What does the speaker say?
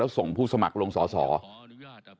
แล้วส่งผู้สมัครลงสอบสอบ